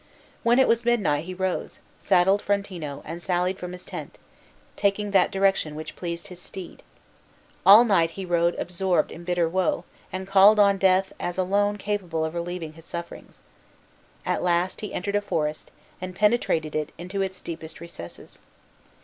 When it was midnight he rose, saddled Frontino, and sallied from his tent, taking that direction which pleased his steed. All night he rode absorbed in bitter woe, and called on Death as alone capable of relieving his sufferings. At last he entered a forest, and penetrated into its deepest recesses.